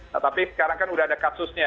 nah tapi sekarang kan sudah ada kasusnya